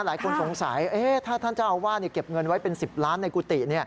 หลายคนสงสัยถ้าท่านเจ้าอาวาสเก็บเงินไว้เป็น๑๐ล้านในกุฏิ